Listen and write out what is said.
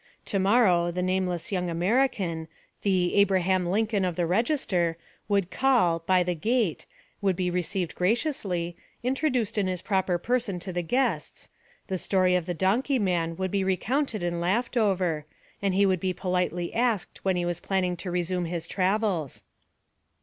To morrow, the nameless young American, the 'Abraham Lincoln' of the register, would call by the gate would be received graciously, introduced in his proper person to the guests; the story of the donkey man would be recounted and laughed over, and he would be politely asked when he was planning to resume his travels.